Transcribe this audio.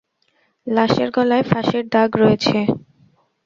লাশের গলায় ফাঁসের দাগ রয়েছে।